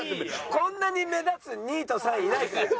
こんなに目立つ２位と３位いないから。